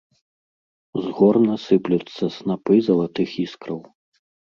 З горна сыплюцца снапы залатых іскраў.